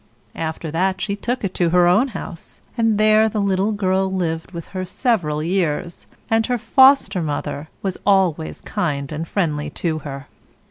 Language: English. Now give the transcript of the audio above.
After that she took it to her own house, and there the little girl lived with her several years, and her Foster mother was always kind and friendly to her.